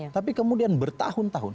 tapi kemudian bertahun tahun